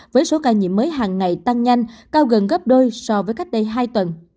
với số ca nhiễm mới hàng ngày tăng nhanh cao gần gấp đôi so với cách đây hai tuần